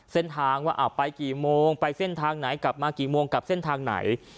เส้นทางว่าไปกี่โมงไปเส้นทางไหนกลับมากี่โมงกลับเส้นทางไหน